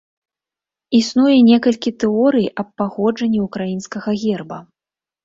Існуе некалькі тэорый аб паходжанні ўкраінскага герба.